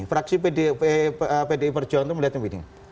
fraksi pdi perjuangan itu melihatnya begini